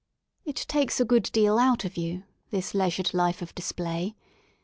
I It takes a good deal out of you," this leisured life ' of display.